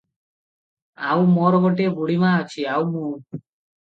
ଆଉ ମୋର ଗୋଟିଏ ବୁଢ଼ୀ ମା ଅଛି, ଆଉ ମୁଁ ।